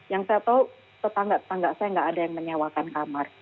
yang saya tahu tetangga tetangga saya nggak ada yang menyewakan kamar